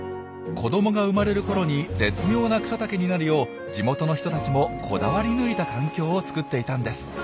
子どもが生まれるころに絶妙な草丈になるよう地元の人たちもこだわり抜いた環境をつくっていたんです。